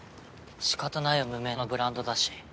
仕方ないよ無名のブランドだし。